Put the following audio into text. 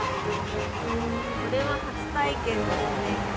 これは初体験ですね。